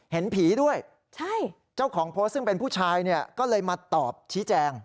เห็นผีด้วยเจ้าของโพสต์ซึ่งเป็นผู้ชายเนี่ยก็เลยมาตอบชี้แจง